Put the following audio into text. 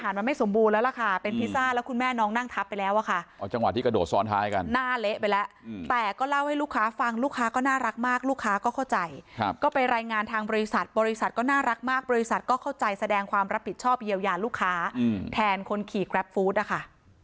ลูกค้าก็เข้าใจก็ไปรายงานทางบริษัทบริษัทก็น่ารักมากบริษัทก็เข้าใจแสดงความรับผิดชอบเยียวยาลูกค้าแทนคนขี่แคร็ปฟู้ดอ่ะค่ะ